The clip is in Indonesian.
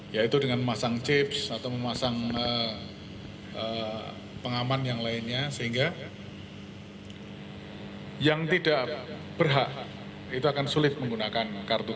yaitu dengan memasang chips atau memasang pengaman yang lainnya sehingga yang tidak berhak itu akan sulit menggunakan kartu